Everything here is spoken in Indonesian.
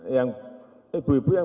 yang ibu ibu yang